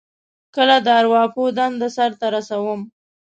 کله د ارواپوه دنده سرته رسوم.